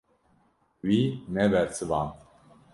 Wî nebersivand.